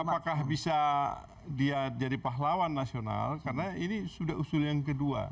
apakah bisa dia jadi pahlawan nasional karena ini sudah usul yang kedua